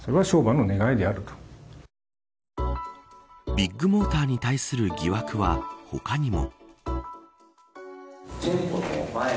ビッグモーターに対する疑惑は他にも。